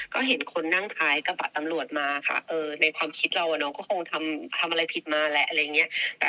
โปรดติดตามตอนต่อไป